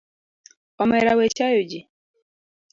Omera we chayo ji.